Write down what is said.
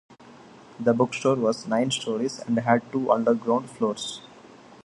The bookstore was nine stories and had two underground floors.